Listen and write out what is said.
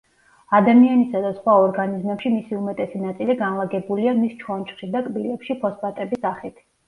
ადამიანისა და სხვა ორგანიზმებში მისი უმეტესი ნაწილი განლაგებულია მის ჩონჩხში და კბილებში ფოსფატების სახით.